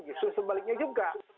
justru sebaliknya juga